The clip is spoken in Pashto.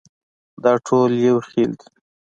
دا ټول یو خېل دي.